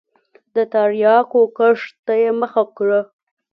د تریاکو کښت ته یې مخه کړه.